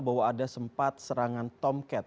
bahwa ada sempat serangan tomcat